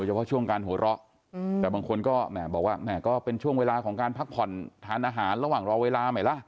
เฉพาะช่วงการหัวเราะแต่บางคนก็แหมบอกว่าแหมก็เป็นช่วงเวลาของการพักผ่อนทานอาหารระหว่างรอเวลาไหมล่ะ